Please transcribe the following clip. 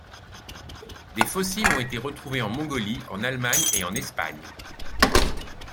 Des fossiles ont été retrouvés en Mongolie, en Allemagne, et en Espagne.